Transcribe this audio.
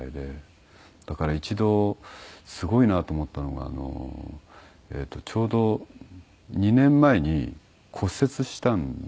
だから一度すごいなと思ったのがちょうど２年前に骨折したんです。